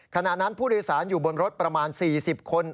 ขณะนั้นผู้ลื้อสารอยู่บนรถประมาณสี่สิบคน